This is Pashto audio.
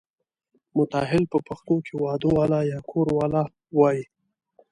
متاهل په پښتو کې واده والا یا کوروالا وایي.